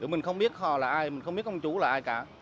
mình không biết họ là ai mình không biết công chú là ai cả